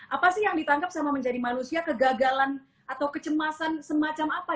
apa sih yang ditangkap sama menjadi manusia kegagalan atau kecemasan semacam apa